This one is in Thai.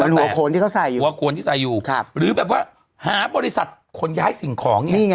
หัวโคนที่เขาใส่อยู่หัวโขนที่ใส่อยู่หรือแบบว่าหาบริษัทขนย้ายสิ่งของเนี่ย